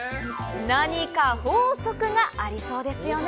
何か法則がありそうですよね。